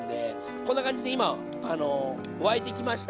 こんな感じで今沸いてきました。